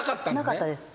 なかったです。